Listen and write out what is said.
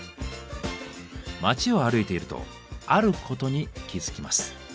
街を歩いているとあることに気付きます。